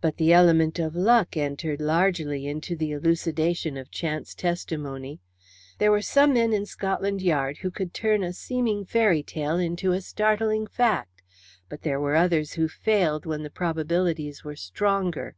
But the element of luck entered largely into the elucidation of chance testimony. There were some men in Scotland Yard who could turn a seeming fairy tale into a startling fact, but there were others who failed when the probabilities were stronger.